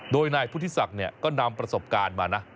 โดยนายพุทธิศักดิ์ก็นำประสบการณ์มานะ